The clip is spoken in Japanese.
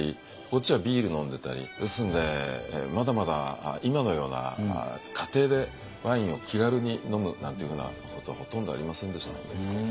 こっちはビール飲んでたりですのでまだまだ今のような家庭でワインを気軽に飲むなんていうふうなことはほとんどありませんでしたので。